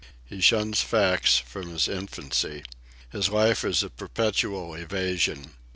He shuns facts from his infancy. His life is a perpetual evasion.